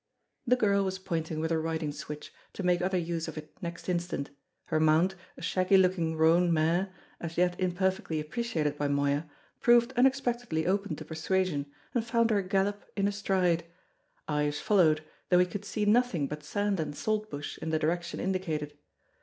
The girl was pointing with her riding switch, to make other use of it next instant. Her mount, a shaggy looking roan mare, as yet imperfectly appreciated by Moya, proved unexpectedly open to persuasion, and found her gallop in a stride. Ives followed, though he could see nothing but sand and saltbush in the direction indicated.